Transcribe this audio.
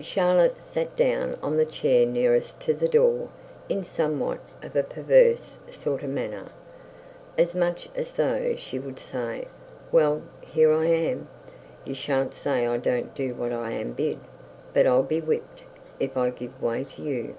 Charlotte sat down on the chair nearest the door, in somewhat of a perverse sort of manner; as much as though she would say Well, here I am; you shan't say I don't do as I am bid; but I'll be whipped if I give way to you.